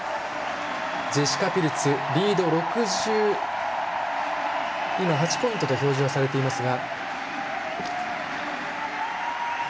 ジェシカ・ピルツリード６８ポイントと表示はされていましたが。